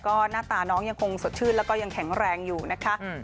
ก็หน้าตาน้องยังคงสดชื่นแล้วก็ยังแข็งแรงอยู่นะคะ